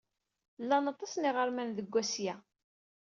Llan aṭas n yiɣerman deg Asya.